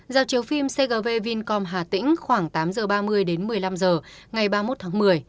giao chiếu phim cgv vincom hà tĩnh khoảng tám giờ ba mươi đến một mươi năm giờ ngày ba mươi một tháng một mươi